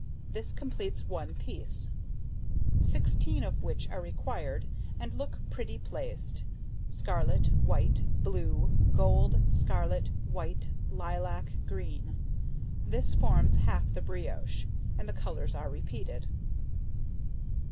This completes 1 piece, 16 of which are required, and look pretty placed scarlet, white, blue, gold, scarlet, white, lilac, green: this forms half the brioche, and the colours are repeated.